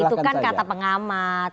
itu kan kata pengamat